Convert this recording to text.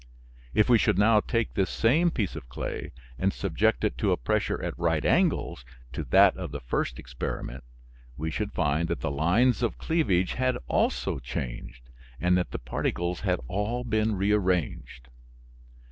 If we should now take this same piece of clay and subject it to a pressure at right angles to that of the first experiment we should find that the lines of cleavage had also changed and that the particles had all been rearranged.